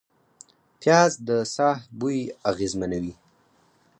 پیاز د ساه بوی اغېزمنوي